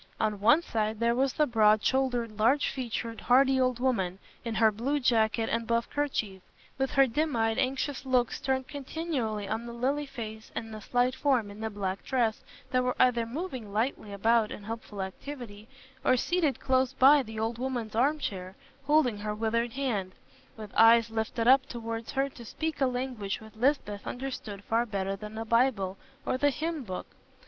On one side there was the broad shouldered, large featured, hardy old woman, in her blue jacket and buff kerchief, with her dim eyed anxious looks turned continually on the lily face and the slight form in the black dress that were either moving lightly about in helpful activity, or seated close by the old woman's arm chair, holding her withered hand, with eyes lifted up towards her to speak a language which Lisbeth understood far better than the Bible or the hymn book.